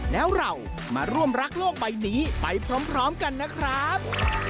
แล้วเรามาร่วมรักโลกใบนี้ไปพร้อมกันนะครับ